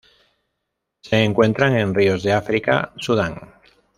Se encuentran en ríos de África: Sudán.